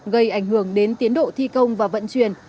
gây ảnh hưởng đến tiến độ thi công và vận chuyển